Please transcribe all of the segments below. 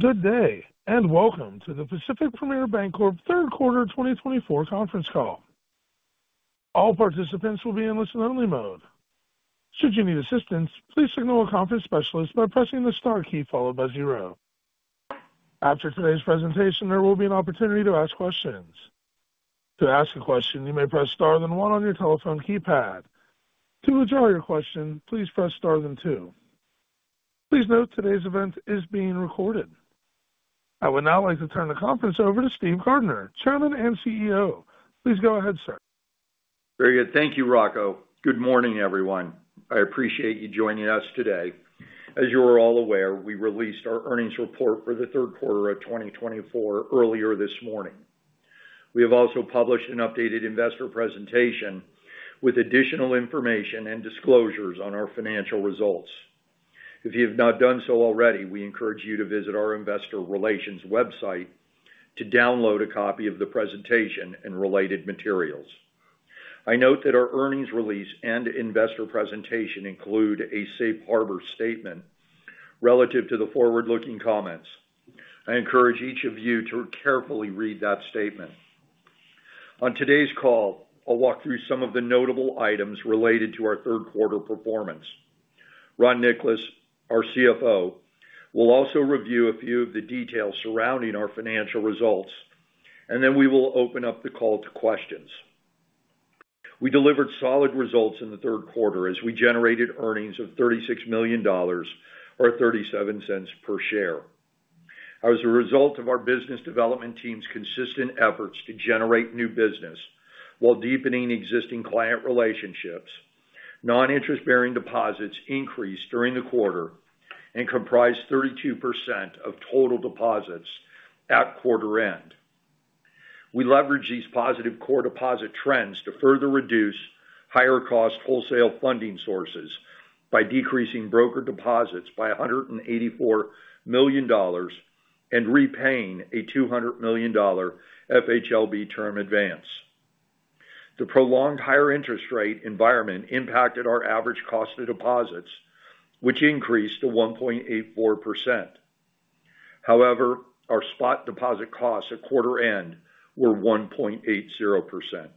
Good day, and welcome to the Pacific Premier Bancorp third quarter twenty twenty-four conference call. All participants will be in listen-only mode. Should you need assistance, please signal a conference specialist by pressing the star key followed by zero. After today's presentation, there will be an opportunity to ask questions. To ask a question, you may press Star then one on your telephone keypad. To withdraw your question, please press Star then two. Please note today's event is being recorded. I would now like to turn the conference over to Steve Gardner, Chairman and CEO. Please go ahead, sir. Very good. Thank you, Rocco. Good morning, everyone. I appreciate you joining us today. As you are all aware, we released our earnings report for the third quarter of twenty twenty-four earlier this morning. We have also published an updated investor presentation with additional information and disclosures on our financial results. If you have not done so already, we encourage you to visit our investor relations website to download a copy of the presentation and related materials. I note that our earnings release and investor presentation include a safe harbor statement relative to the forward-looking comments. I encourage each of you to carefully read that statement. On today's call, I'll walk through some of the notable items related to our third quarter performance. Ron Nicolas, our CFO, will also review a few of the details surrounding our financial results, and then we will open up the call to questions. We delivered solid results in the third quarter as we generated earnings of $36 million or $0.37 per share. As a result of our business development team's consistent efforts to generate new business while deepening existing client relationships, non-interest-bearing deposits increased during the quarter and comprised 32% of total deposits at quarter end. We leveraged these positive core deposit trends to further reduce higher-cost wholesale funding sources by decreasing broker deposits by $184 million and repaying a $200 million FHLB term advance. The prolonged higher interest rate environment impacted our average cost of deposits, which increased to 1.84%. However, our spot deposit costs at quarter end were 1.80%.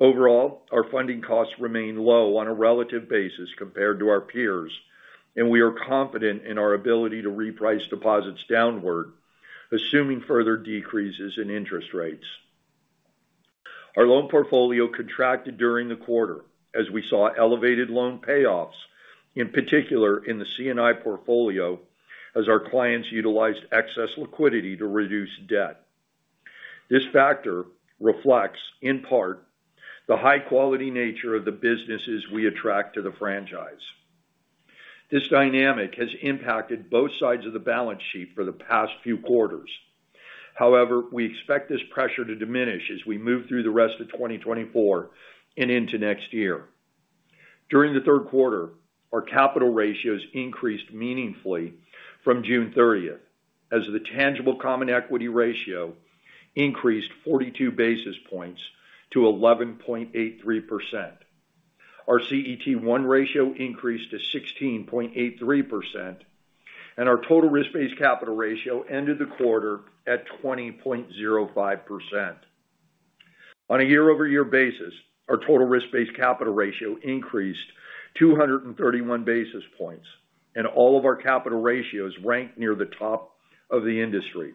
Overall, our funding costs remain low on a relative basis compared to our peers, and we are confident in our ability to reprice deposits downward, assuming further decreases in interest rates. Our loan portfolio contracted during the quarter as we saw elevated loan payoffs, in particular in the C&I portfolio, as our clients utilized excess liquidity to reduce debt. This factor reflects, in part, the high-quality nature of the businesses we attract to the franchise. This dynamic has impacted both sides of the balance sheet for the past few quarters. However, we expect this pressure to diminish as we move through the rest of 2024 and into next year. During the third quarter, our capital ratios increased meaningfully from June thirtieth, as the tangible common equity ratio increased 42 basis points to 11.83%. Our CET1 ratio increased to 16.83%, and our total risk-based capital ratio ended the quarter at 20.05%. On a year-over-year basis, our total risk-based capital ratio increased two hundred and thirty-one basis points, and all of our capital ratios ranked near the top of the industry.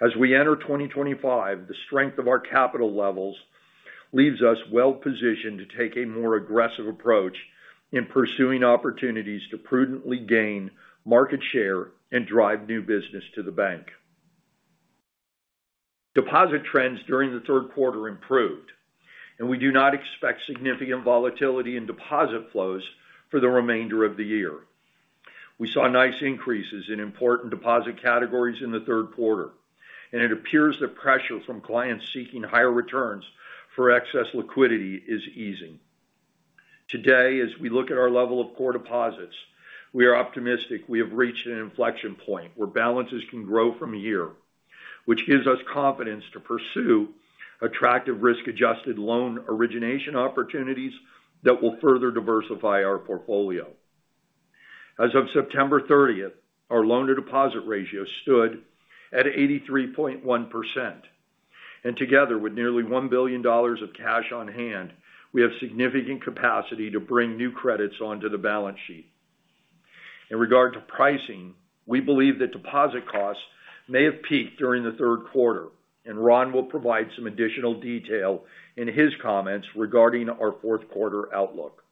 As we enter 2025, the strength of our capital levels leaves us well positioned to take a more aggressive approach in pursuing opportunities to prudently gain market share and drive new business to the bank. Deposit trends during the third quarter improved, and we do not expect significant volatility in deposit flows for the remainder of the year. We saw nice increases in important deposit categories in the third quarter, and it appears the pressure from clients seeking higher returns for excess liquidity is easing. Today, as we look at our level of core deposits, we are optimistic we have reached an inflection point where balances can grow from a year, which gives us confidence to pursue attractive risk-adjusted loan origination opportunities that will further diversify our portfolio. As of September thirtieth, our loan-to-deposit ratio stood at 83.1%, and together with nearly $1 billion of cash on hand, we have significant capacity to bring new credits onto the balance sheet. In regard to pricing, we believe that deposit costs may have peaked during the third quarter, and Ron will provide some additional detail in his comments regarding our fourth quarter outlook.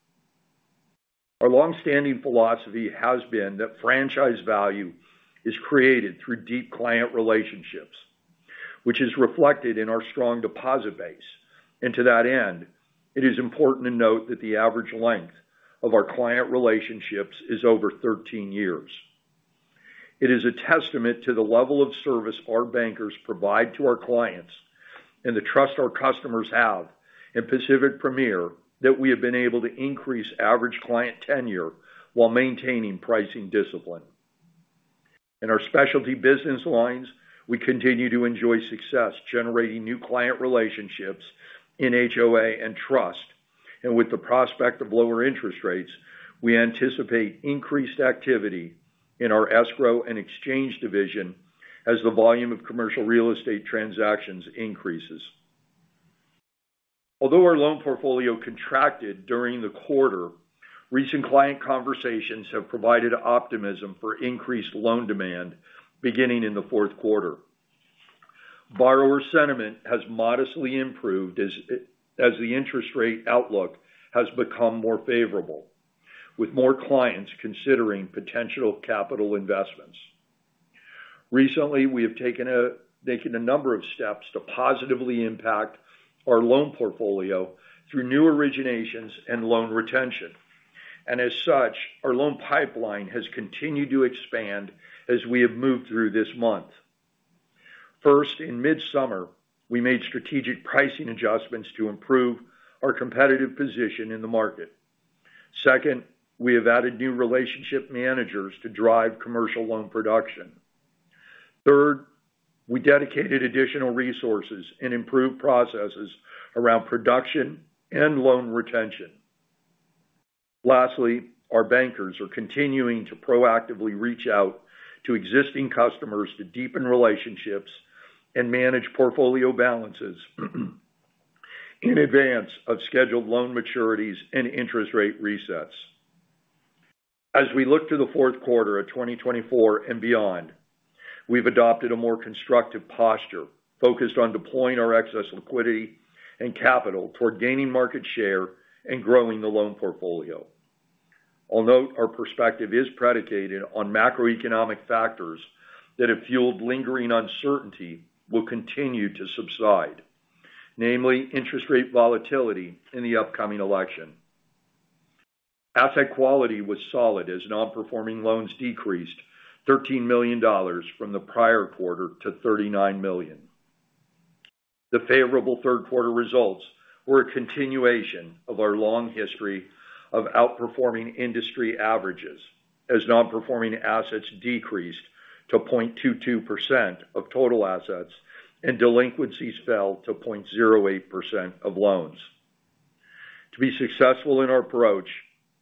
Our long-standing philosophy has been that franchise value is created through deep client relationships, which is reflected in our strong deposit base. And to that end, it is important to note that the average length of our client relationships is over thirteen years. It is a testament to the level of service our bankers provide to our clients and the trust our customers have in Pacific Premier, that we have been able to increase average client tenure while maintaining pricing discipline. In our specialty business lines, we continue to enjoy success generating new client relationships in HOA and trust... and with the prospect of lower interest rates, we anticipate increased activity in our escrow and exchange division as the volume of commercial real estate transactions increases. Although our loan portfolio contracted during the quarter, recent client conversations have provided optimism for increased loan demand beginning in the fourth quarter. Borrower sentiment has modestly improved as, as the interest rate outlook has become more favorable, with more clients considering potential capital investments. Recently, we have taken a number of steps to positively impact our loan portfolio through new originations and loan retention. And as such, our loan pipeline has continued to expand as we have moved through this month. First, in mid-summer, we made strategic pricing adjustments to improve our competitive position in the market. Second, we have added new relationship managers to drive commercial loan production. Third, we dedicated additional resources and improved processes around production and loan retention. Lastly, our bankers are continuing to proactively reach out to existing customers to deepen relationships and manage portfolio balances, in advance of scheduled loan maturities and interest rate resets. As we look to the fourth quarter of twenty twenty-four and beyond, we've adopted a more constructive posture, focused on deploying our excess liquidity and capital toward gaining market share and growing the loan portfolio. I'll note our perspective is predicated on macroeconomic factors that have fueled lingering uncertainty will continue to subside, namely interest rate volatility in the upcoming election. Asset quality was solid, as non-performing loans decreased $13 million from the prior quarter to $39 million. The favorable third quarter results were a continuation of our long history of outperforming industry averages, as non-performing assets decreased to 0.22% of total assets, and delinquencies fell to 0.08% of loans. To be successful in our approach,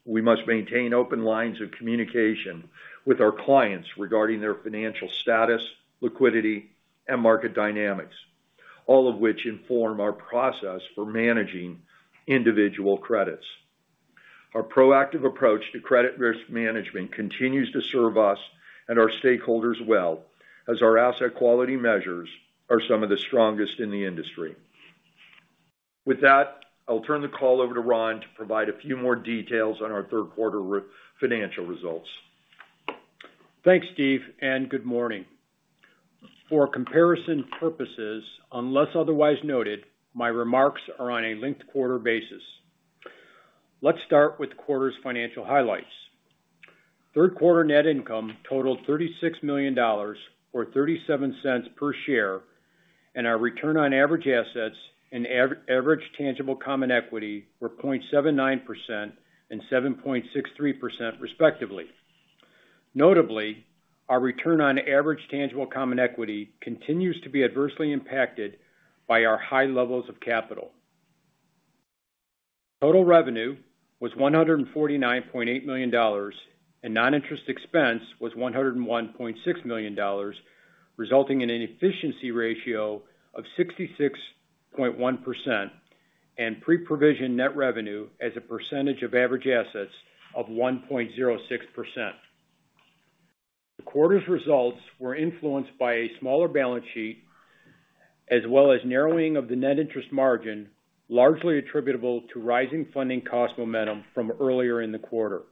we must maintain open lines of communication with our clients regarding their financial status, liquidity, and market dynamics, all of which inform our process for managing individual credits. Our proactive approach to credit risk management continues to serve us and our stakeholders well, as our asset quality measures are some of the strongest in the industry. With that, I'll turn the call over to Ron to provide a few more details on our third quarter financial results. Thanks, Steve, and good morning. For comparison purposes, unless otherwise noted, my remarks are on a linked quarter basis. Let's start with the quarter's financial highlights. Third quarter net income totaled $36 million or $0.37 per share, and our return on average assets and average tangible common equity were 0.79% and 7.63% respectively. Notably, our return on average tangible common equity continues to be adversely impacted by our high levels of capital. Total revenue was $149.8 million, and non-interest expense was $101.6 million, resulting in an efficiency ratio of 66.1% and pre-provision net revenue as a percentage of average assets of 1.06%. The quarter's results were influenced by a smaller balance sheet, as well as narrowing of the net interest margin, largely attributable to rising funding cost momentum from earlier in the quarter.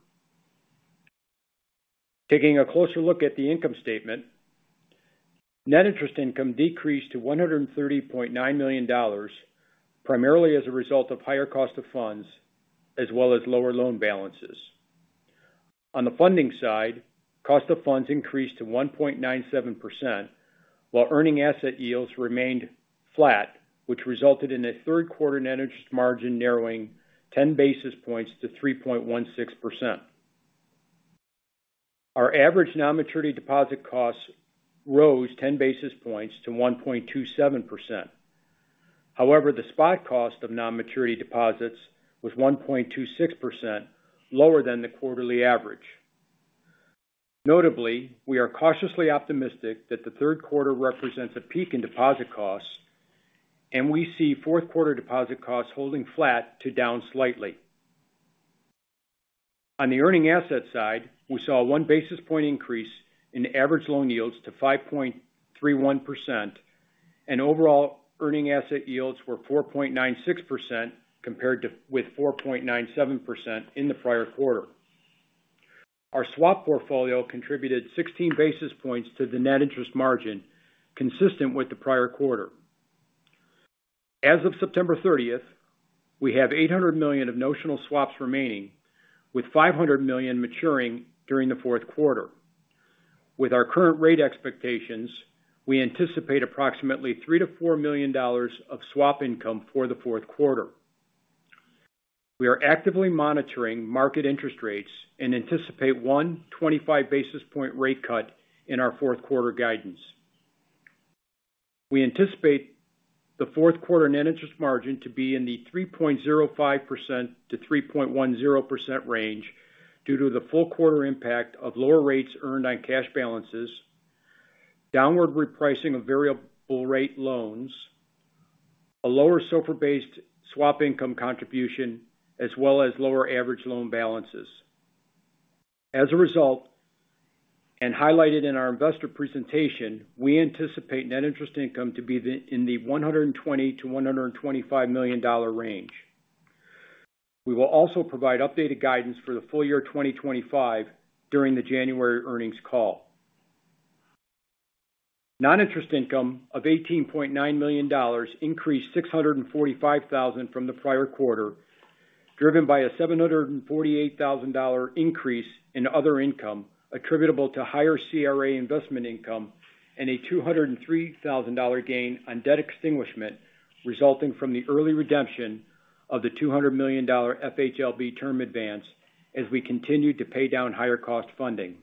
Taking a closer look at the income statement, net interest income decreased to $130.9 million, primarily as a result of higher cost of funds, as well as lower loan balances. On the funding side, cost of funds increased to 1.97%, while earning asset yields remained flat, which resulted in a third quarter net interest margin narrowing ten basis points to 3.16%. Our average non-maturity deposit costs rose ten basis points to 1.27%. However, the spot cost of non-maturity deposits was 1.26% lower than the quarterly average. Notably, we are cautiously optimistic that the third quarter represents a peak in deposit costs, and we see fourth quarter deposit costs holding flat to down slightly. On the earning asset side, we saw a one basis point increase in average loan yields to 5.31%, and overall earning asset yields were 4.96% compared with 4.97% in the prior quarter. Our swap portfolio contributed sixteen basis points to the net interest margin, consistent with the prior quarter. As of September thirtieth, we have $800 million of notional swaps remaining, with $500 million maturing during the fourth quarter. With our current rate expectations, we anticipate approximately $3 million-$4 million of swap income for the fourth quarter. We are actively monitoring market interest rates and anticipate 125 basis points rate cut in our fourth quarter guidance. We anticipate the fourth quarter net interest margin to be in the 3.05% to 3.10% range, due to the full quarter impact of lower rates earned on cash balances, downward repricing of variable rate loans, a lower SOFR-based swap income contribution, as well as lower average loan balances. As a result, and highlighted in our investor presentation, we anticipate net interest income to be in the $120 million-$125 million range. We will also provide updated guidance for the full year 2025 during the January earnings call. Non-interest income of $18.9 million increased $645,000 from the prior quarter, driven by a $748,000 increase in other income, attributable to higher CRA investment income, and a $203,000 gain on debt extinguishment, resulting from the early redemption of the $200 million FHLB term advance, as we continued to pay down higher cost funding.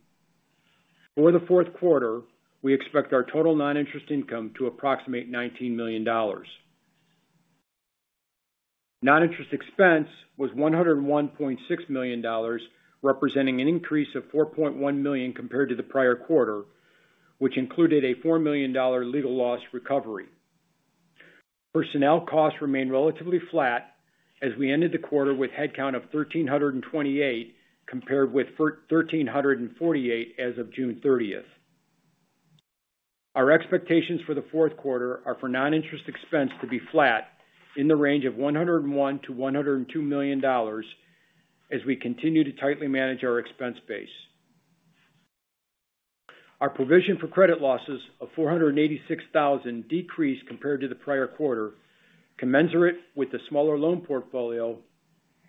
For the fourth quarter, we expect our total non-interest income to approximate $19 million. Non-interest expense was $101.6 million, representing an increase of $4.1 million compared to the prior quarter, which included a $4 million legal loss recovery. Personnel costs remained relatively flat as we ended the quarter with headcount of 1,328, compared with 1,348 as of June thirtieth. Our expectations for the fourth quarter are for non-interest expense to be flat in the range of $101 million-$102 million as we continue to tightly manage our expense base. Our provision for credit losses of $486,000 decreased compared to the prior quarter, commensurate with the smaller loan portfolio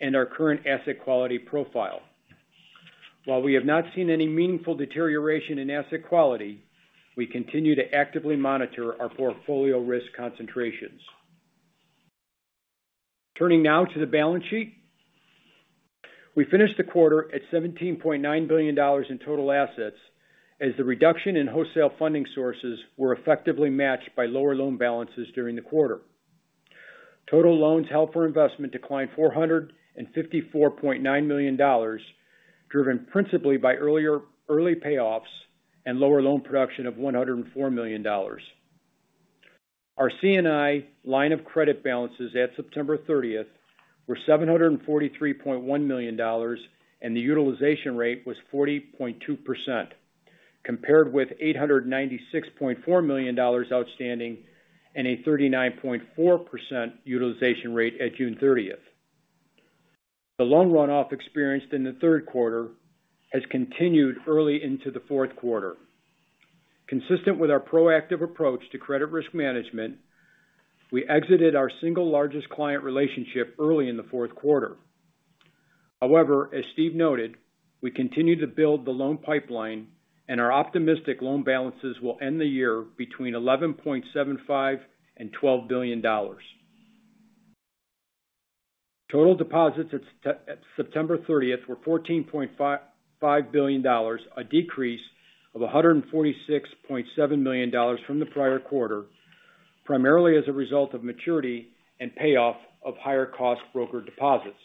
and our current asset quality profile. While we have not seen any meaningful deterioration in asset quality, we continue to actively monitor our portfolio risk concentrations. Turning now to the balance sheet. We finished the quarter at $17.9 billion in total assets, as the reduction in wholesale funding sources were effectively matched by lower loan balances during the quarter. Total loans held for investment declined $454.9 million, driven principally by early payoffs and lower loan production of $104 million. Our C&I line of credit balances at September 30 were $743.1 million, and the utilization rate was 40.2%, compared with $896.4 million outstanding and a 39.4% utilization rate at June 30. The loan runoff experienced in the third quarter has continued early into the fourth quarter. Consistent with our proactive approach to credit risk management, we exited our single largest client relationship early in the fourth quarter. However, as Steve noted, we continue to build the loan pipeline, and our optimistic loan balances will end the year between $11.75 billion and $12 billion. Total deposits at September thirtieth were $14.5 billion, a decrease of $146.7 million from the prior quarter, primarily as a result of maturity and payoff of higher cost broker deposits.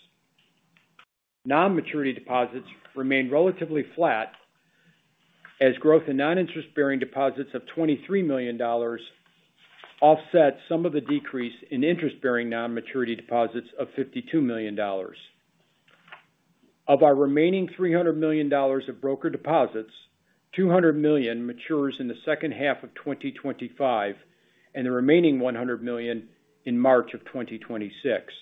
Non-maturity deposits remained relatively flat, as growth in non-interest-bearing deposits of $23 million offset some of the decrease in interest-bearing non-maturity deposits of $52 million. Of our remaining $300 million of broker deposits, $200 million matures in the second half of 2025, and the remaining $100 million in March of 2026.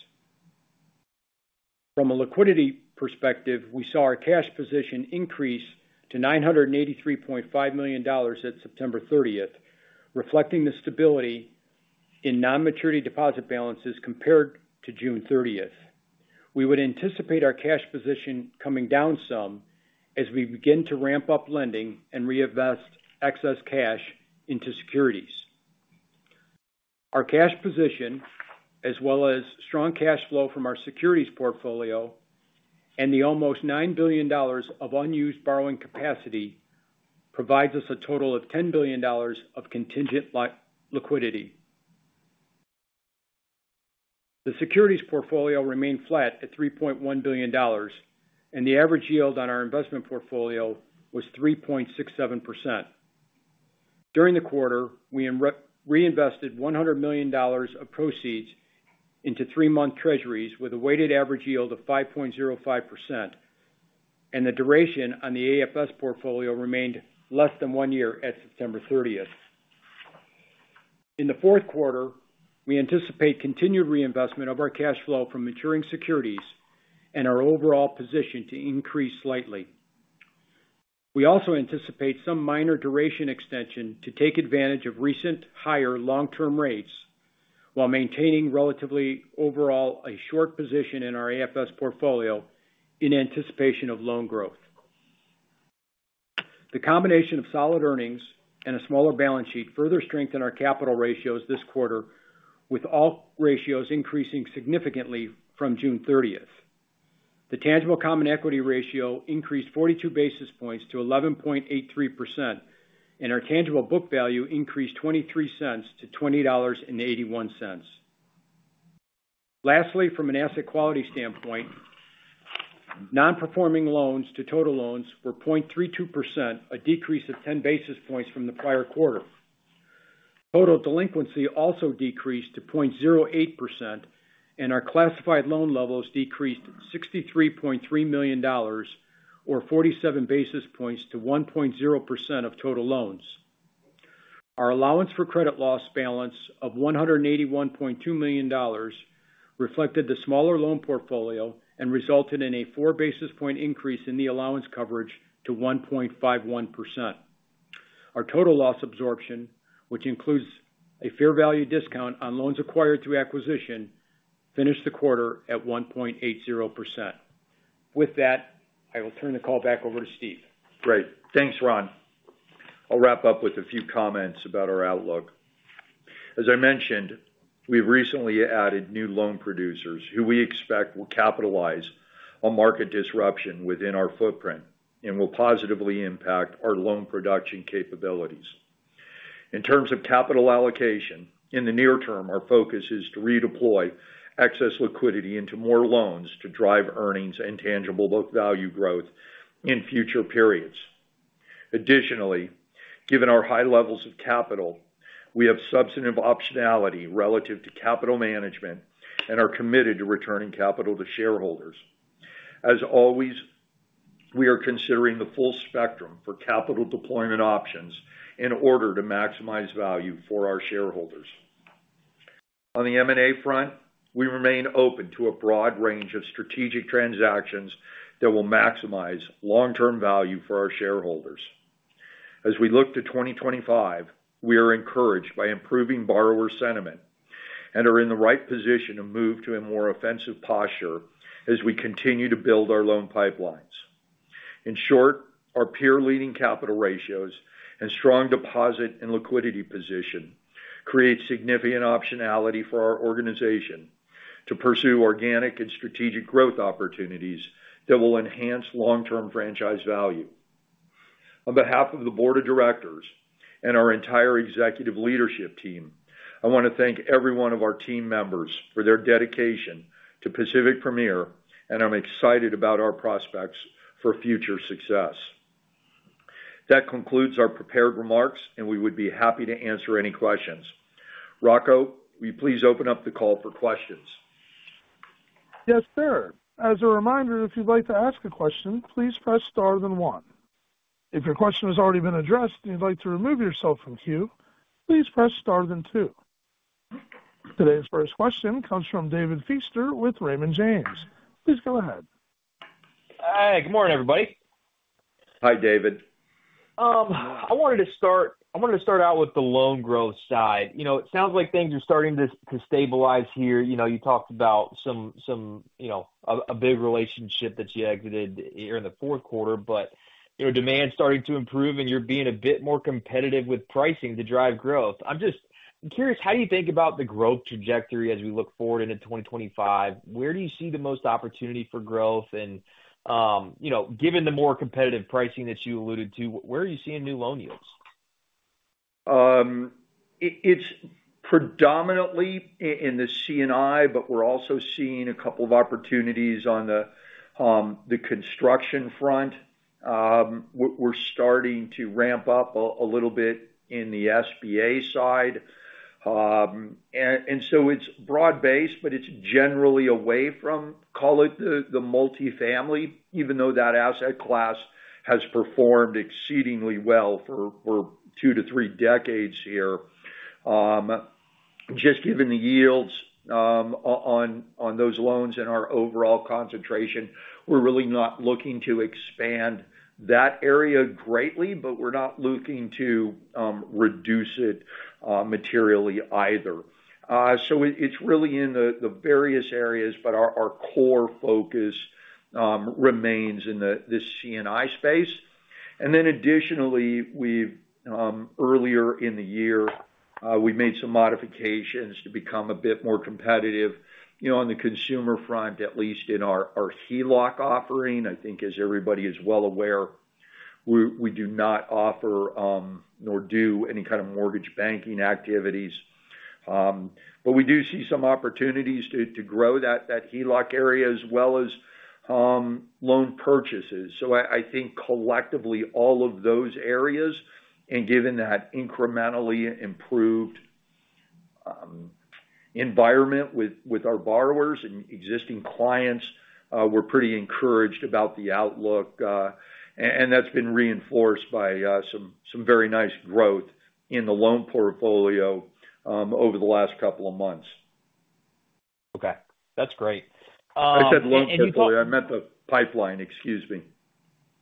From a liquidity perspective, we saw our cash position increase to $983.5 million at September thirtieth, reflecting the stability in non-maturity deposit balances compared to June thirtieth. We would anticipate our cash position coming down some as we begin to ramp up lending and reinvest excess cash into securities. Our cash position, as well as strong cash flow from our securities portfolio and the almost $9 billion of unused borrowing capacity, provides us a total of $10 billion of contingent liquidity. The securities portfolio remained flat at $3.1 billion, and the average yield on our investment portfolio was 3.67%. During the quarter, we reinvested $100 million of proceeds into three-month Treasuries, with a weighted average yield of 5.05%, and the duration on the AFS portfolio remained less than one year at September thirtieth. In the fourth quarter, we anticipate continued reinvestment of our cash flow from maturing securities and our overall position to increase slightly. We also anticipate some minor duration extension to take advantage of recent higher long-term rates while maintaining relatively overall a short position in our AFS portfolio in anticipation of loan growth. The combination of solid earnings and a smaller balance sheet further strengthen our capital ratios this quarter, with all ratios increasing significantly from June 30th. The tangible common equity ratio increased 42 basis points to 11.83%, and our tangible book value increased $0.23 to $20.81. Lastly, from an asset quality standpoint, non-performing loans to total loans were 0.32%, a decrease of 10 basis points from the prior quarter. Total delinquency also decreased to 0.08%, and our classified loan levels decreased $63.3 million or 47 basis points to 1.0% of total loans. Our allowance for credit loss balance of $181.2 million reflected the smaller loan portfolio and resulted in a four basis point increase in the allowance coverage to 1.51%. Our total loss absorption, which includes a fair value discount on loans acquired through acquisition, finished the quarter at 1.80%. With that, I will turn the call back over to Steve. Great. Thanks, Ron. I'll wrap up with a few comments about our outlook. As I mentioned, we recently added new loan producers who we expect will capitalize on market disruption within our footprint and will positively impact our loan production capabilities. In terms of capital allocation, in the near term, our focus is to redeploy excess liquidity into more loans to drive earnings and tangible book value growth in future periods. Additionally, given our high levels of capital, we have substantive optionality relative to capital management and are committed to returning capital to shareholders. As always, we are considering the full spectrum for capital deployment options in order to maximize value for our shareholders. On the M&A front, we remain open to a broad range of strategic transactions that will maximize long-term value for our shareholders. As we look to twenty twenty-five, we are encouraged by improving borrower sentiment and are in the right position to move to a more offensive posture as we continue to build our loan pipelines. In short, our peer-leading capital ratios and strong deposit and liquidity position create significant optionality for our organization to pursue organic and strategic growth opportunities that will enhance long-term franchise value. On behalf of the board of directors and our entire executive leadership team, I want to thank every one of our team members for their dedication to Pacific Premier, and I'm excited about our prospects for future success. That concludes our prepared remarks, and we would be happy to answer any questions. Rocco, will you please open up the call for questions? Yes, sir. As a reminder, if you'd like to ask a question, please press star then one. If your question has already been addressed and you'd like to remove yourself from queue, please press star then two. Today's first question comes from David Feaster with Raymond James. Please go ahead. Hi, good morning, everybody. Hi, David. I wanted to start out with the loan growth side. You know, it sounds like things are starting to stabilize here. You know, you talked about some, you know, a big relationship that you exited here in the fourth quarter, but, you know, demand's starting to improve, and you're being a bit more competitive with pricing to drive growth. I'm just curious, how do you think about the growth trajectory as we look forward into twenty twenty-five? Where do you see the most opportunity for growth? And, you know, given the more competitive pricing that you alluded to, where are you seeing new loan yields? It's predominantly in the C&I, but we're also seeing a couple of opportunities on the construction front. We're starting to ramp up a little bit in the SBA side. And so it's broad-based, but it's generally away from, call it the multifamily, even though that asset class has performed exceedingly well for two to three decades here. Just given the yields on those loans and our overall concentration, we're really not looking to expand that area greatly, but we're not looking to reduce it materially either. So it's really in the various areas, but our core focus remains in the C&I space. And then additionally, we've earlier in the year we made some modifications to become a bit more competitive, you know, on the consumer front, at least in our HELOC offering. I think as everybody is well aware, we do not offer nor do any kind of mortgage banking activities. But we do see some opportunities to grow that HELOC area as well as loan purchases. So I think collectively, all of those areas, and given that incrementally improved environment with our borrowers and existing clients, we're pretty encouraged about the outlook. And that's been reinforced by some very nice growth in the loan portfolio over the last couple of months. Okay, that's great. I said loan portfolio. I meant the pipeline, excuse me.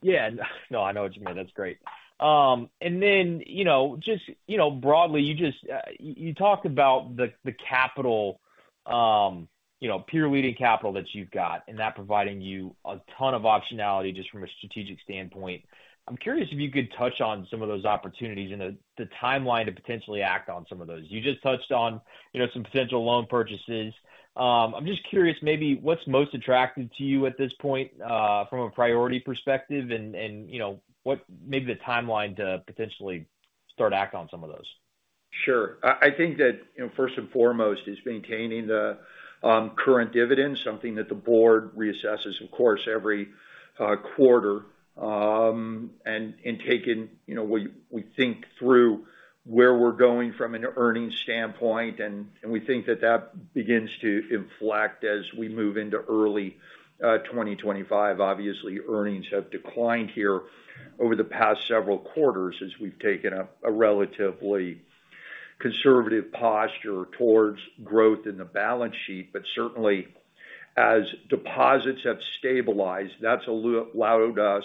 Yeah. No, I know what you mean. That's great. And then, you know, just, you know, broadly, you just, you talked about the capital, you know, peer-leading capital that you've got, and that providing you a ton of optionality just from a strategic standpoint. I'm curious if you could touch on some of those opportunities and the timeline to potentially act on some of those. You just touched on, you know, some potential loan purchases. I'm just curious, maybe what's most attractive to you at this point, from a priority perspective and, you know, what maybe the timeline to potentially start act on some of those? Sure. I, I think that, you know, first and foremost is maintaining the current dividend, something that the board reassesses, of course, every quarter, and taking, you know, we think through where we're going from an earnings standpoint, and we think that that begins to inflect as we move into early twenty twenty-five. Obviously, earnings have declined here over the past several quarters as we've taken a relatively conservative posture towards growth in the balance sheet. But certainly, as deposits have stabilized, that's allowed us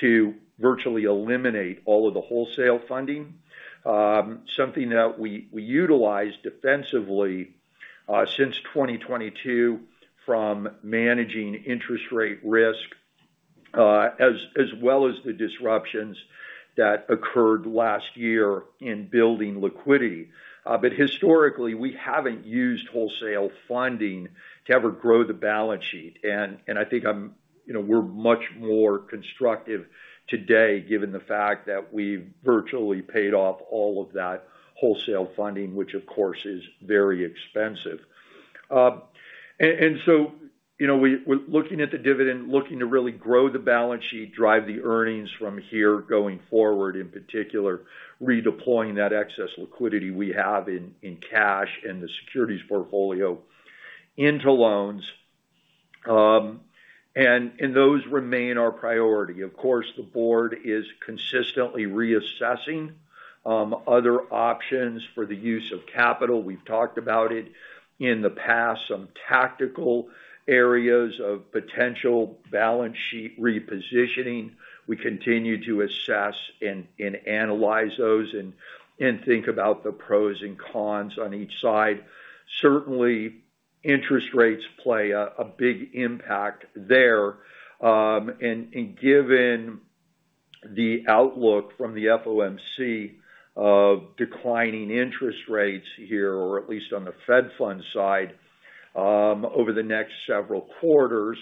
to virtually eliminate all of the wholesale funding, something that we utilized defensively since twenty twenty-two from managing interest rate risk as well as the disruptions that occurred last year in building liquidity, but historically, we haven't used wholesale funding to ever grow the balance sheet. I think, you know, we're much more constructive today, given the fact that we've virtually paid off all of that wholesale funding, which, of course, is very expensive, and so, you know, we're looking at the dividend, looking to really grow the balance sheet, drive the earnings from here going forward, in particular, redeploying that excess liquidity we have in cash and the securities portfolio into loans, and those remain our priority. Of course, the board is consistently reassessing other options for the use of capital. We've talked about it in the past, some tactical areas of potential balance sheet repositioning. We continue to assess and analyze those and think about the pros and cons on each side. Certainly, interest rates play a big impact there. And given the outlook from the FOMC of declining interest rates here, or at least on the Fed funds side, over the next several quarters,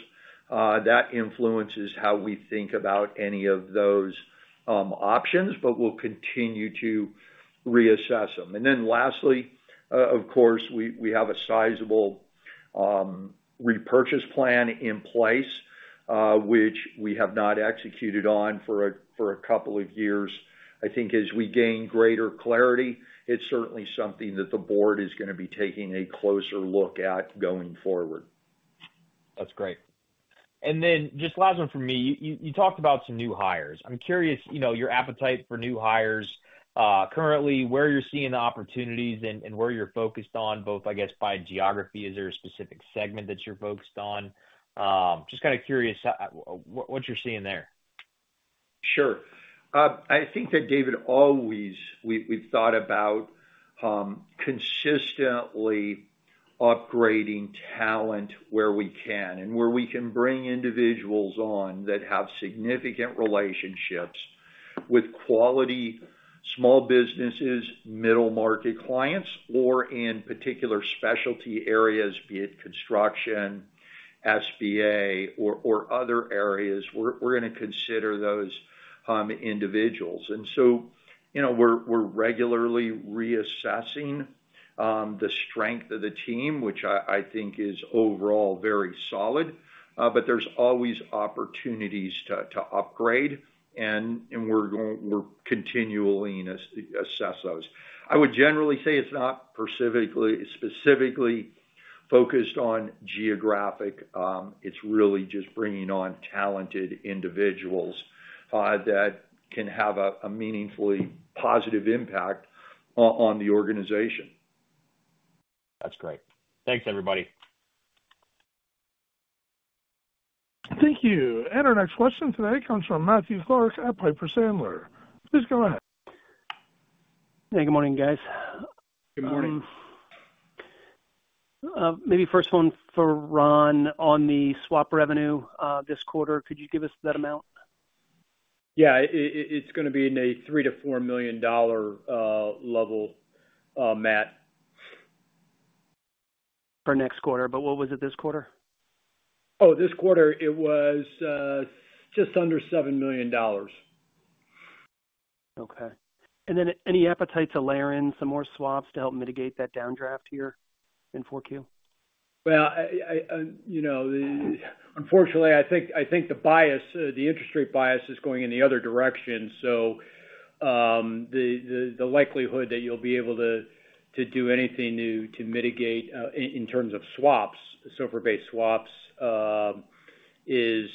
that influences how we think about any of those options, but we'll continue to reassess them. And then lastly, of course, we have a sizable repurchase plan in place, which we have not executed on for a couple of years. I think as we gain greater clarity, it's certainly something that the board is gonna be taking a closer look at going forward. That's great. And then just last one from me. You talked about some new hires. I'm curious, you know, your appetite for new hires currently, where you're seeing the opportunities and where you're focused on both, I guess, by geography. Is there a specific segment that you're focused on? Just kind of curious what you're seeing there. Sure. I think that, David, we've thought about consistently upgrading talent where we can and where we can bring individuals on that have significant relationships with quality small businesses, middle-market clients, or in particular specialty areas, be it construction, SBA or other areas, we're gonna consider those individuals. And so, you know, we're regularly reassessing the strength of the team, which I think is overall very solid. But there's always opportunities to upgrade, and we're continually, you know, assess those. I would generally say it's not specifically focused on geographic. It's really just bringing on talented individuals that can have a meaningfully positive impact on the organization. That's great. Thanks, everybody. Thank you and our next question today comes from Matthew Clark at Piper Sandler. Please go ahead. Hey, good morning, guys. Good morning. Maybe first one for Ron on the swap revenue this quarter. Could you give us that amount? Yeah, it's gonna be in a $3 million-$4 million dollar level, Matt. For next quarter, but what was it this quarter? Oh, this quarter it was just under $7 million. Okay. And then any appetite to layer in some more swaps to help mitigate that downdraft here in 4Q? You know, unfortunately, I think the interest rate bias is going in the other direction. So, the likelihood that you'll be able to do anything new to mitigate in terms of swaps, SOFR-based swaps, is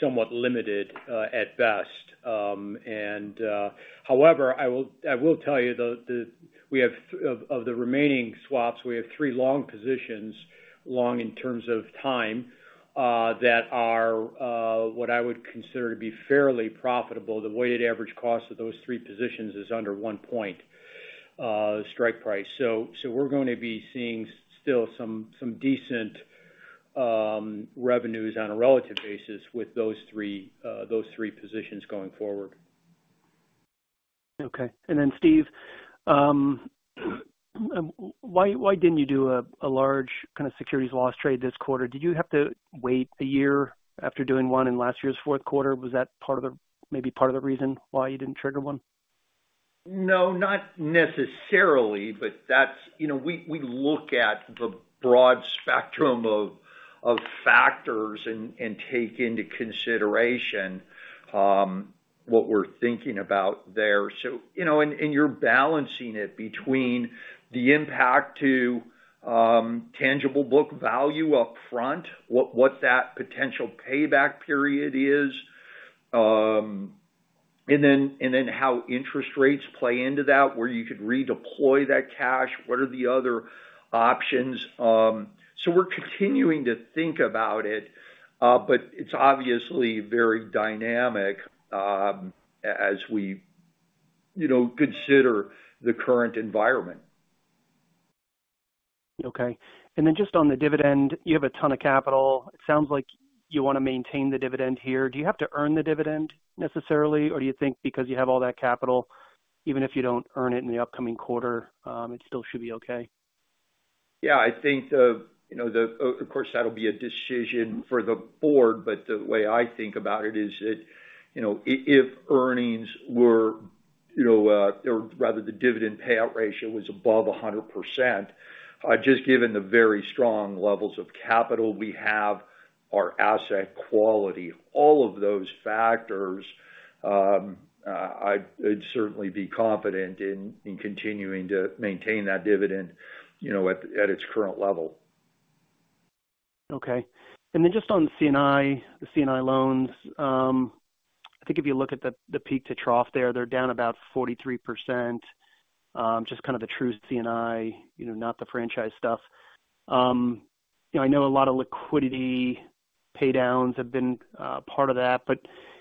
somewhat limited at best. However, I will tell you, though, we have three long positions of the remaining swaps, long in terms of time, that are what I would consider to be fairly profitable. The weighted average cost of those three positions is under one point strike price, so we're going to be seeing still some decent revenues on a relative basis with those three positions going forward. Okay. And then, Steve, why didn't you do a large kind of securities loss trade this quarter? Did you have to wait a year after doing one in last year's fourth quarter? Was that part of the, maybe part of the reason why you didn't trigger one? No, not necessarily, but that's, you know, we look at the broad spectrum of factors and take into consideration what we're thinking about there. So, you know, and you're balancing it between the impact to tangible book value upfront, what that potential payback period is, and then how interest rates play into that, where you could redeploy that cash. What are the other options? So we're continuing to think about it, but it's obviously very dynamic, as we, you know, consider the current environment. Okay, and then just on the dividend, you have a ton of capital. It sounds like you wanna maintain the dividend here. Do you have to earn the dividend necessarily, or do you think because you have all that capital, even if you don't earn it in the upcoming quarter, it still should be okay? Yeah, I think, you know, of course, that'll be a decision for the board, but the way I think about it is that, you know, if earnings were, you know, or rather the dividend payout ratio was above 100%, just given the very strong levels of capital we have, our asset quality, all of those factors, I'd certainly be confident in continuing to maintain that dividend, you know, at its current level. Okay. And then just on C&I, the C&I loans, I think if you look at the peak to trough there, they're down about 43%, just kind of the true C&I, you know, not the franchise stuff. You know, I know a lot of liquidity pay downs have been part of that, but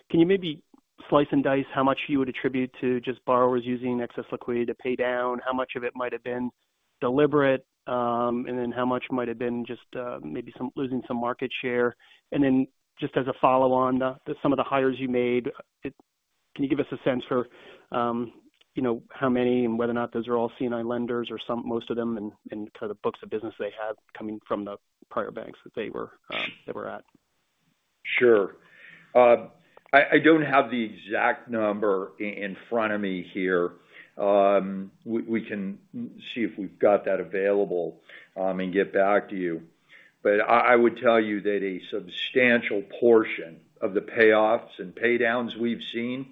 can you maybe slice and dice how much you would attribute to just borrowers using excess liquidity to pay down? How much of it might have been deliberate? And then how much might have been just maybe some losing some market share? And then, just as a follow on to some of the hires you made, can you give us a sense for, you know, how many and whether or not those are all C&I lenders or some, most of them, and kind of books of business they have coming from the prior banks that they were at? Sure. I don't have the exact number in front of me here. We can see if we've got that available and get back to you, but I would tell you that a substantial portion of the payoffs and pay downs we've seen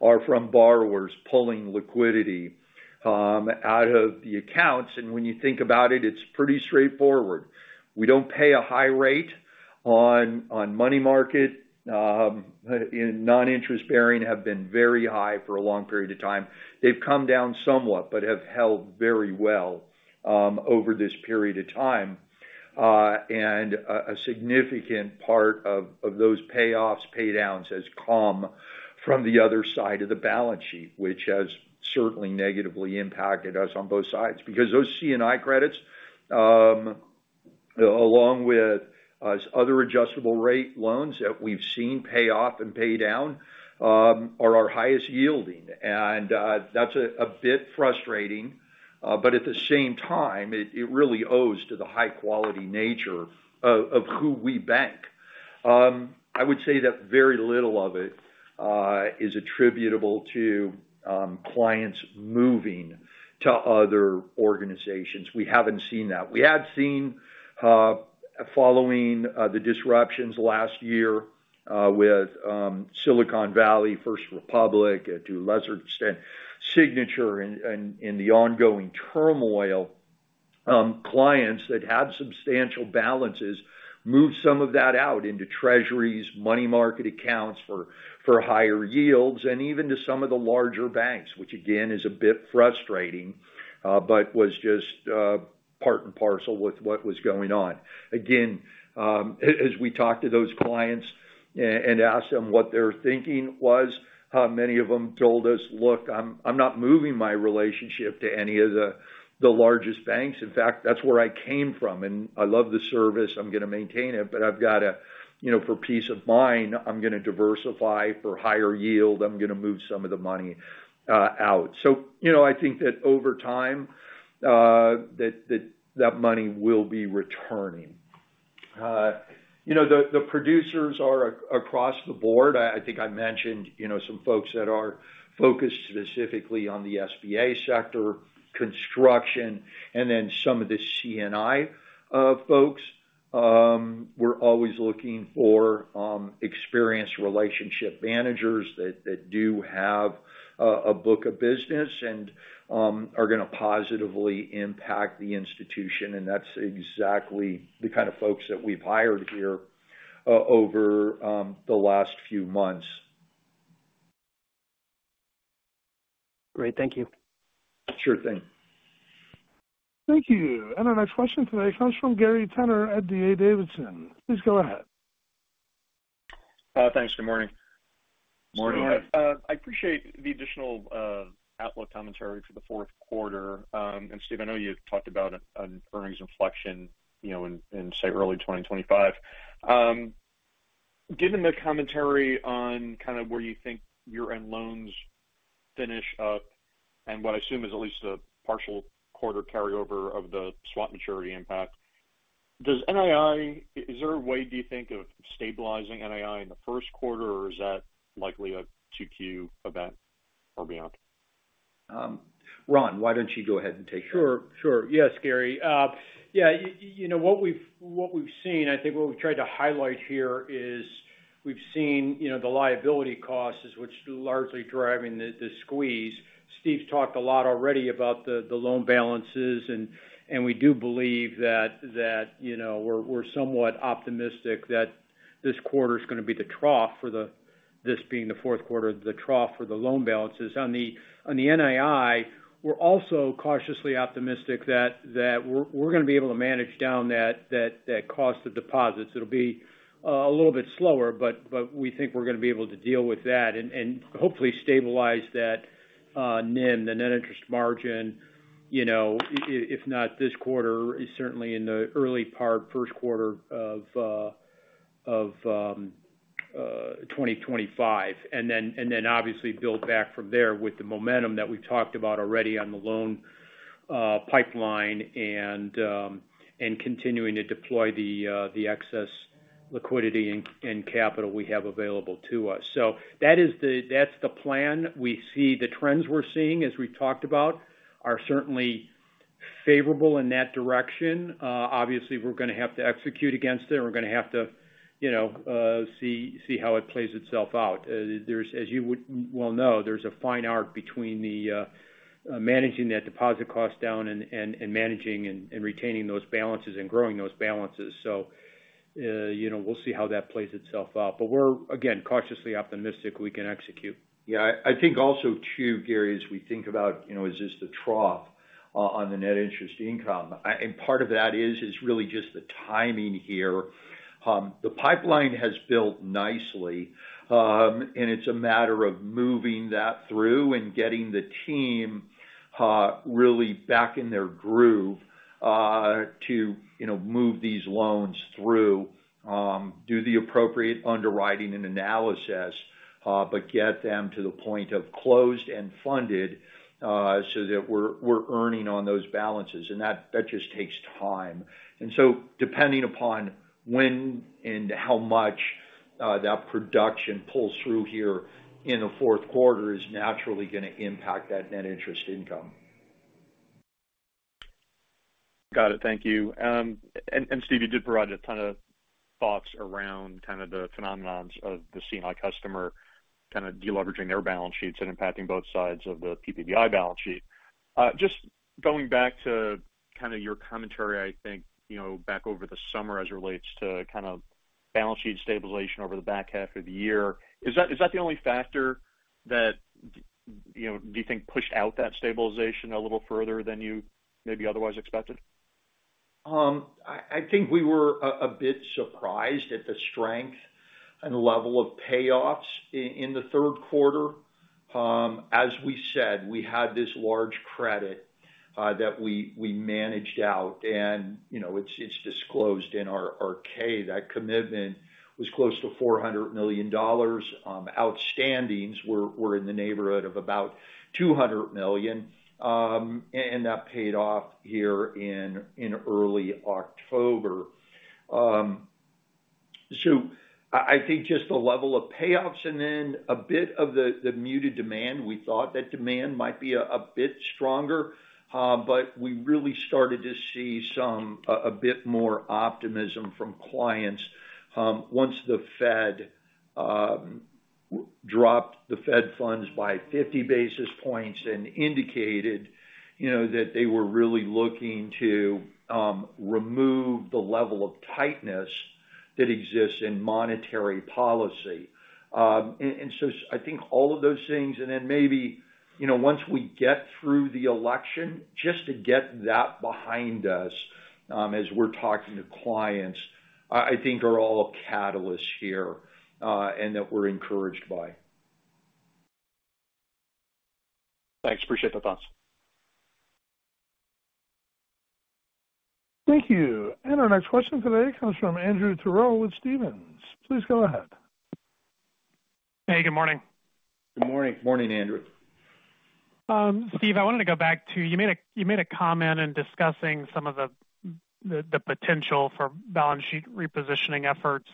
are from borrowers pulling liquidity out of the accounts. When you think about it, it's pretty straightforward. We don't pay a high rate on money market, and non-interest-bearing have been very high for a long period of time. They've come down somewhat, but have held very well over this period of time, and a significant part of those payoffs, pay downs, has come from the other side of the balance sheet, which has certainly negatively impacted us on both sides. Because those C&I credits, along with other adjustable rate loans that we've seen pay off and pay down, are our highest yielding, and that's a bit frustrating, but at the same time, it really owes to the high quality nature of who we bank. I would say that very little of it is attributable to clients moving to other organizations. We haven't seen that. We have seen, following, the disruptions last year, with Silicon Valley, First Republic, and to a lesser extent, Signature and the ongoing turmoil, clients that had substantial balances, move some of that out into Treasuries, money market accounts for higher yields, and even to some of the larger banks, which again, is a bit frustrating, but was just, part and parcel with what was going on. Again, as we talk to those clients and ask them what their thinking was, many of them told us, "Look, I'm not moving my relationship to any of the largest banks. In fact, that's where I came from, and I love the service. I'm gonna maintain it, but I've got to... You know, for peace of mind, I'm gonna diversify. For higher yield, I'm gonna move some of the money out." So, you know, I think that over time, that money will be returning. You know, the producers are across the board. I think I mentioned, you know, some folks that are focused specifically on the SBA sector, construction, and then some of the C&I folks. We're always looking for experienced relationship managers that do have a book of business and are gonna positively impact the institution, and that's exactly the kind of folks that we've hired here over the last few months. Great. Thank you. Sure thing. Thank you. And our next question today comes from Gary Tenner at D.A. Davidson. Please go ahead.... Thanks. Good morning. Morning. I appreciate the additional outlook commentary for the fourth quarter. And Steve, I know you've talked about an earnings inflection, you know, in say early 2025. Given the commentary on kind of where you think you're in loans finish up and what I assume is at least a partial quarter carryover of the swap maturity impact, does NII, is there a way, do you think, of stabilizing NII in the first quarter, or is that likely a 2Q event or beyond? Ron, why don't you go ahead and take that? Sure, sure. Yes, Gary. Yeah, you know, what we've seen, I think what we've tried to highlight here is we've seen, you know, the liability costs, which is largely driving the squeeze. Steve's talked a lot already about the loan balances, and we do believe that, you know, we're somewhat optimistic that this quarter's going to be the trough for the-- this being the fourth quarter, the trough for the loan balances. On the NII, we're also cautiously optimistic that we're going to be able to manage down that cost of deposits. It'll be a little bit slower, but we think we're going to be able to deal with that and hopefully stabilize that NIM, the net interest margin, you know, if not this quarter, certainly in the early part, first quarter of twenty twenty-five, and then obviously build back from there with the momentum that we've talked about already on the loan pipeline and continuing to deploy the excess liquidity and capital we have available to us. So that's the plan. We see the trends we're seeing, as we talked about, are certainly favorable in that direction. Obviously, we're going to have to execute against it, and we're going to have to, you know, see how it plays itself out. There's, as you would well know, a fine art between managing that deposit cost down and managing and retaining those balances and growing those balances. So, you know, we'll see how that plays itself out. But we're again cautiously optimistic we can execute. Yeah, I think also, too, Gary, as we think about, you know, is this the trough on the net interest income? And part of that is really just the timing here. The pipeline has built nicely, and it's a matter of moving that through and getting the team really back in their groove to, you know, move these loans through, do the appropriate underwriting and analysis, but get them to the point of closed and funded, so that we're earning on those balances, and that just takes time. And so depending upon when and how much that production pulls through here in the fourth quarter is naturally going to impact that net interest income. Got it. Thank you. And Steve, you did provide a ton of thoughts around kind of the phenomena of the C&I customer, kind of de-leveraging their balance sheets and impacting both sides of the PPBI balance sheet. Just going back to kind of your commentary, I think, you know, back over the summer as it relates to kind of balance sheet stabilization over the back half of the year, is that the only factor that, you know, do you think pushed out that stabilization a little further than you maybe otherwise expected? I think we were a bit surprised at the strength and level of payoffs in the third quarter. As we said, we had this large credit that we managed out, and you know, it's disclosed in our K. That commitment was close to $400 million. Outstandings were in the neighborhood of about $200 million, and that paid off here in early October. I think just the level of payoffs and then a bit of the muted demand, we thought that demand might be a bit stronger, but we really started to see some a bit more optimism from clients once the Fed dropped the Fed funds by 50 basis points and indicated, you know, that they were really looking to remove the level of tightness that exists in monetary policy, and so I think all of those things, and then maybe, you know, once we get through the election, just to get that behind us as we're talking to clients, I think are all a catalyst here, and that we're encouraged by. Thanks. Appreciate the thoughts. Thank you. And our next question today comes from Andrew Terrell with Stephens. Please go ahead. Hey, good morning. Good morning. Morning, Andrew. Steve, I wanted to go back to... You made a comment in discussing some of the potential for balance sheet repositioning efforts,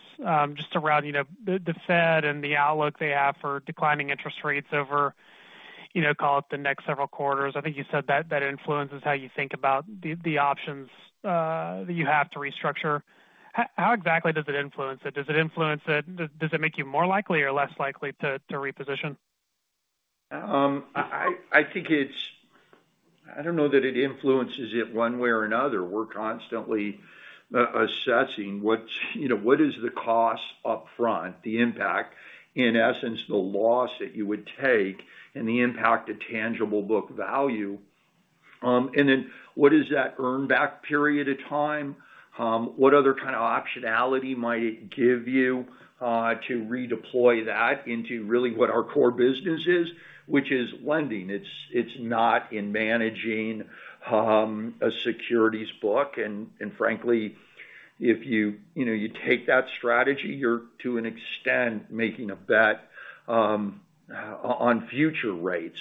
just around, you know, the Fed and the outlook they have for declining interest rates over, you know, call it the next several quarters. I think you said that influences how you think about the options that you have to restructure. How exactly does it influence it? Does it influence it? Does it make you more likely or less likely to reposition? I think it's. I don't know that it influences it one way or another. We're constantly assessing what's, you know, what is the cost upfront, the impact, in essence, the loss that you would take and the impact to tangible book value. And then what is that earn back period of time? What other kind of optionality might it give you to redeploy that into really what our core business is, which is lending. It's not in managing a securities book. And frankly, if you, you know, you take that strategy, you're to an extent making a bet on future rates.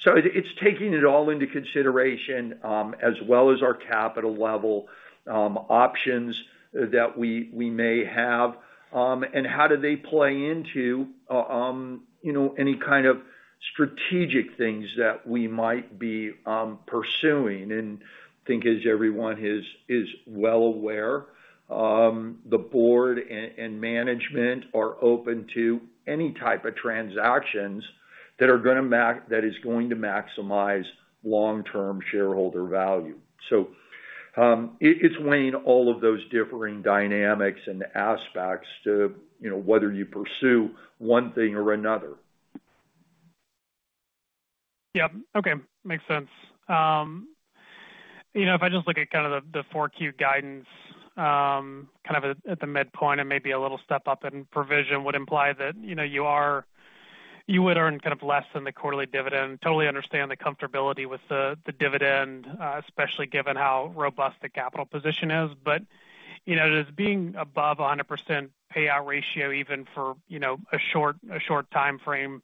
So it's taking it all into consideration as well as our capital level, options that we may have. And how do they play into, you know, any kind of strategic things that we might be pursuing? And, as everyone is well aware, the board and management are open to any type of transactions that are gonna, that is, going to maximize long-term shareholder value. So, it's weighing all of those differing dynamics and aspects to, you know, whether you pursue one thing or another. Yep. Okay, makes sense. You know, if I just look at kind of the four Q guidance, kind of at the midpoint and maybe a little step up in provision, would imply that, you know, you are- you would earn kind of less than the quarterly dividend. Totally understand the comfortability with the dividend, especially given how robust the capital position is. But, you know, does being above a 100% payout ratio, even for, you know, a short timeframe,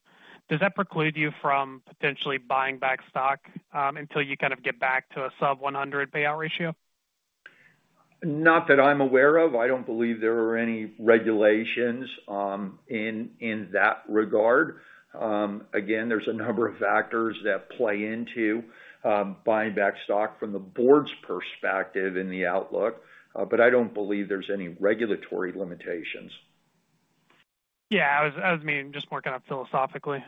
does that preclude you from potentially buying back stock, until you kind of get back to a sub 100% payout ratio? Not that I'm aware of. I don't believe there are any regulations, in that regard. Again, there's a number of factors that play into buying back stock from the board's perspective in the outlook. But I don't believe there's any regulatory limitations. Yeah, I was meaning just more kind of philosophically.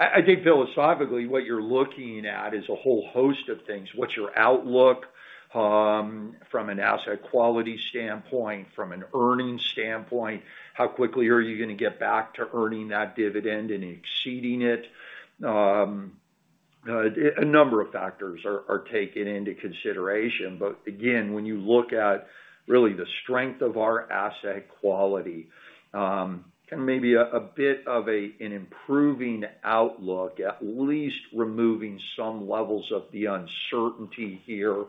I think philosophically, what you're looking at is a whole host of things. What's your outlook from an asset quality standpoint, from an earnings standpoint? How quickly are you gonna get back to earning that dividend and exceeding it? A number of factors are taken into consideration. But again, when you look at really the strength of our asset quality and maybe a bit of an improving outlook, at least removing some levels of the uncertainty here,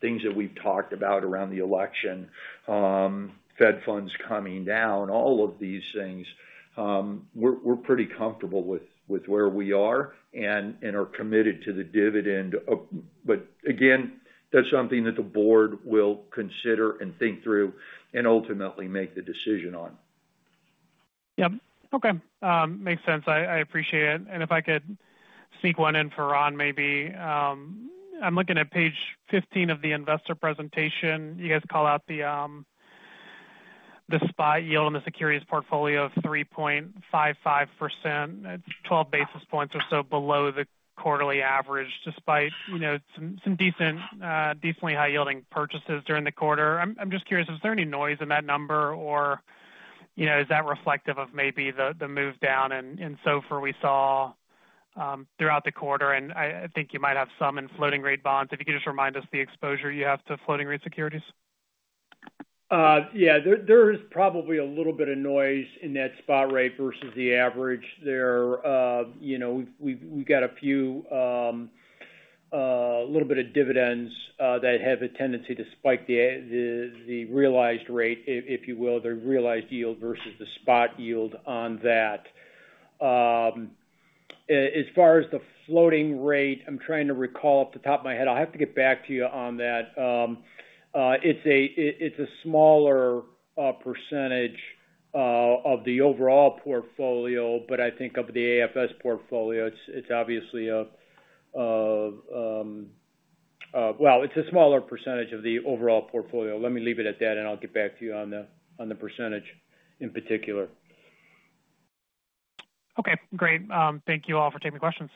things that we've talked about around the election, Fed funds coming down, all of these things, we're pretty comfortable with where we are and are committed to the dividend, but again, that's something that the board will consider and think through and ultimately make the decision on. Yep. Okay, makes sense. I appreciate it, and if I could sneak one in for Ron, maybe. I'm looking at page 15 of the investor presentation. You guys call out the spot yield in the securities portfolio of 3.55%. That's 12 basis points or so below the quarterly average, despite, you know, some decently high yielding purchases during the quarter. I'm just curious, is there any noise in that number, or, you know, is that reflective of maybe the move down and so far we saw throughout the quarter, and I think you might have some in floating rate bonds. If you could just remind us the exposure you have to floating rate securities. Yeah. There is probably a little bit of noise in that spot rate versus the average there. You know, we've got a few little bit of dividends that have a tendency to spike the the realized rate, if you will, the realized yield versus the spot yield on that. As far as the floating rate, I'm trying to recall off the top of my head. I'll have to get back to you on that. It's a smaller percentage of the overall portfolio, but I think of the AFS portfolio, it's obviously a... Well, it's a smaller percentage of the overall portfolio. Let me leave it at that, and I'll get back to you on the percentage in particular. Okay, great. Thank you all for taking the questions.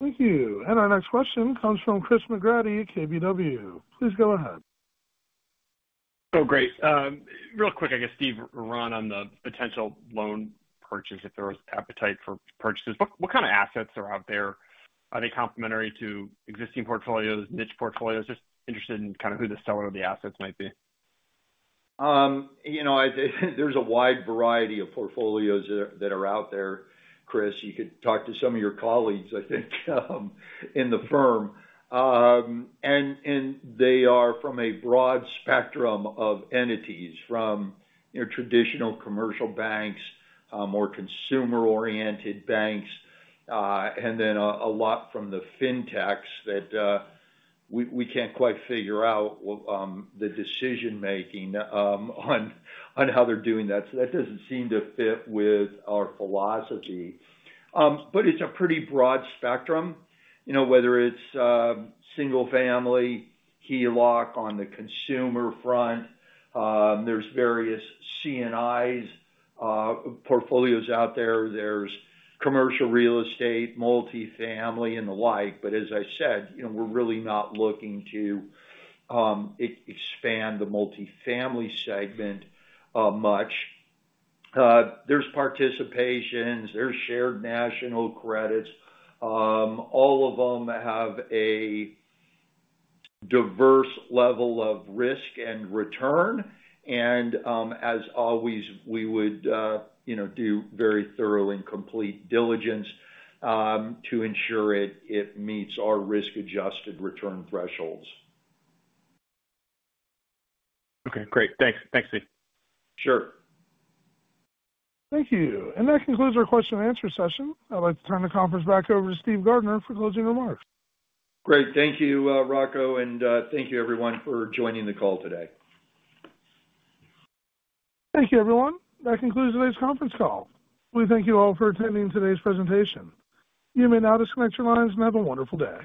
Thank you. And our next question comes from Chris McGratty at KBW. Please go ahead. Oh, great. Real quick, I guess, Steve, Ron, on the potential loan purchase, if there was appetite for purchases, what kind of assets are out there? Are they complementary to existing portfolios, niche portfolios? Just interested in kind of who the seller of the assets might be. You know, there's a wide variety of portfolios that are out there, Chris. You could talk to some of your colleagues, I think, in the firm. And they are from a broad spectrum of entities, from, you know, traditional commercial banks, more consumer-oriented banks, and then a lot from the Fintechs that we can't quite figure out the decision-making on how they're doing that. So that doesn't seem to fit with our philosophy. But it's a pretty broad spectrum. You know, whether it's single family, HELOC on the consumer front, there's various C&Is portfolios out there. There's commercial real estate, multifamily, and the like. But as I said, you know, we're really not looking to expand the multifamily segment much. There's participations, there's shared national credits. All of them have a diverse level of risk and return, and as always, we would, you know, do very thorough and complete diligence to ensure it meets our risk-adjusted return thresholds. Okay, great. Thanks. Thanks, Steve. Sure. Thank you. And that concludes our question and answer session. I'd like to turn the conference back over to Steve Gardner for closing remarks. Great. Thank you, Rocco, and thank you everyone for joining the call today. Thank you, everyone. That concludes today's conference call. We thank you all for attending today's presentation. You may now disconnect your lines and have a wonderful day.